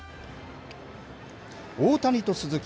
大谷と鈴木。